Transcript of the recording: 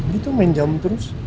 dia tuh menjam terus